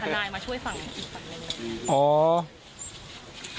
เลยที่แบบเป็นทนายมาช่วยฟังอย่างอ้อ